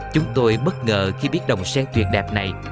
chúng tôi bất ngờ khi biết đồng sen tuyền đẹp này